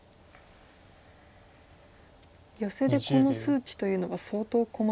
ヨセでこの数値というのは相当細かい。